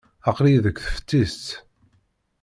Aql-iyi deg teftist.